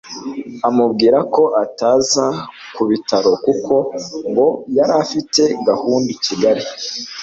amubwira ko ataza ku bitaro kuko ngo yari afite gahunda i Kigali